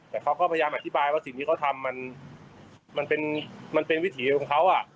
แต่เขาก็พยายามอธิบายว่าสิ่งที่เขาทำมันเป็นวิถีของเขา